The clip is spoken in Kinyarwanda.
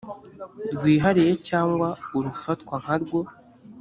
rwihariye cyangwa urufatwa nkarwo